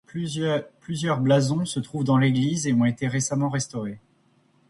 Plusieurs blasons se trouvent dans l'église et ont été récemment restaurés.